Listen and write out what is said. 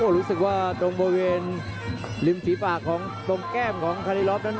รู้สึกว่าตรงบริเวณริมฝีปากของตรงแก้มของคารีลอฟนั้น